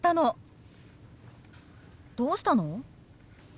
どうしたの？